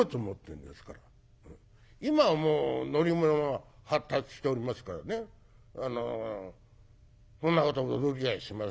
今はもう乗り物は発達しておりますからねそんなこと驚きやしませんで。